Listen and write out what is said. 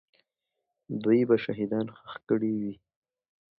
دوی به شهیدان ښخ کړي وي.